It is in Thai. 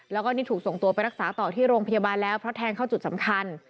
แล้วก็นี่ถูกส่งตัวไปรักษาต่อที่โรงพยาบาลแล้วเพราะแทงเข้าจุดสำคัญ